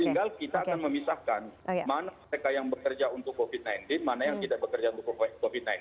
tinggal kita akan memisahkan mana mereka yang bekerja untuk covid sembilan belas mana yang tidak bekerja untuk covid sembilan belas